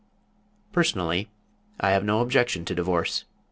Personally I have no objection to divorce.